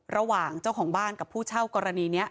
ระหว่างเจ้าของบ้านกับผู้เช่ากรณีนี้